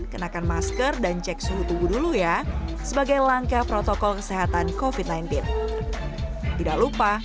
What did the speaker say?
kenakan masker dan cek suhu tubuh dulu ya sebagai langkah protokol kesehatan covid sembilan belas tidak lupa